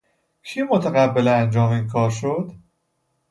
کی متقبل انجام اینکار شد؟